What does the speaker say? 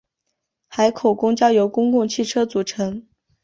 海口公交由公共汽车组成。